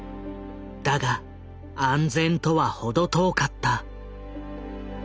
だが安全とは程遠かった。